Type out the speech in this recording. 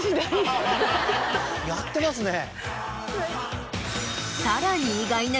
やってますね。